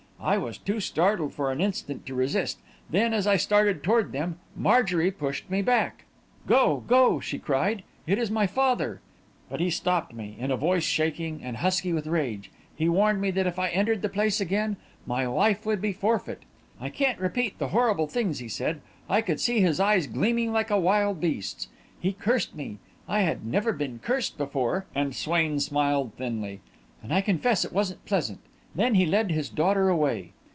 I was too startled for an instant to resist; then, as I started toward them, Marjorie pushed me back. "'Go! Go!' she cried. 'It is my father!' "But he stopped me. In a voice shaking and husky with rage, he warned me that if I entered the place again, my life would be forfeit. I can't repeat the horrible things he said. I could see his eyes gleaming like a wild beast's. He cursed me. I had never been cursed before," and Swain smiled thinly, "and I confess it wasn't pleasant. Then he led his daughter away.